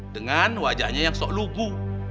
dengan wajahnya yang sok lugu